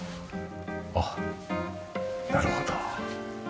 あっなるほど。